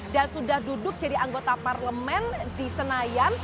dan sudah duduk jadi anggota parlemen di senayan